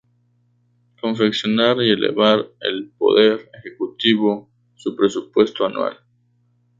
Confeccionar y elevar al Poder Ejecutivo su Presupuesto Anual.